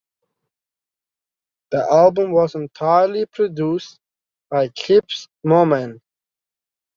The album was entirely produced by Chips Moman.